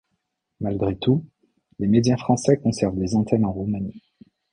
Malgré tout, les médias français conservent des antennes en Roumanie.